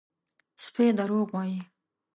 _سپی دروغ وايي!